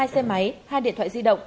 hai xe máy hai điện thoại di động